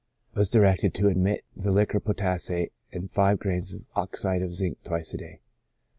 Was directed to omit the liquor potassae, and take five grains of oxide of zinc twice a day.